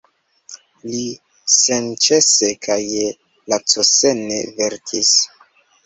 Li senĉese kaj lacosene verkis.